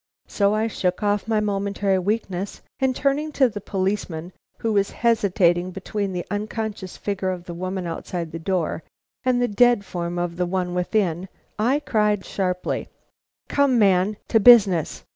So I shook off my momentary weakness, and turning to the policeman, who was hesitating between the unconscious figure of the woman outside the door and the dead form of the one within I cried sharply: "Come, man, to business!